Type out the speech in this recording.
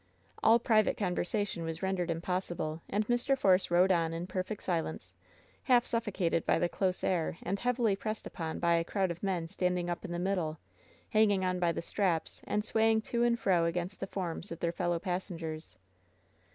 All private conversation was rendered impossible, and Mr. Force rode on in perfect silence, half suffocated by the close air and heavily pressed upon by a crowd of men standing up in the middle, hanging on by the straps and swaying to and fro against the forms of their fellow pas sengers.